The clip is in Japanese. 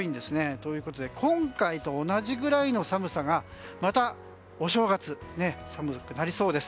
ということで今回と同じぐらいの寒さがまたお正月にありそうです。